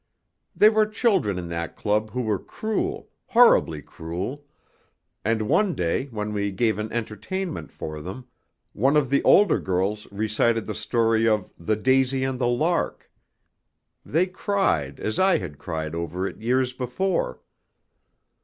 There were children in that club who were cruel, horribly cruel, and one day when we gave an entertainment for them, one of the older girls recited the story of 'The Daisy and the Lark.' They cried as I had cried over it years before."